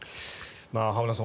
浜田さん